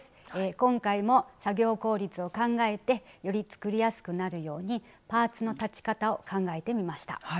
今回も作業効率を考えてより作りやすくなるようにパーツの裁ち方を考えてみました。